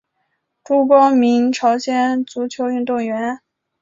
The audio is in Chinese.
朱光民朝鲜足球运动员。